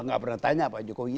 nggak pernah tanya pak jokowi